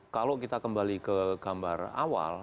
kalau kita kembali ke gambar awal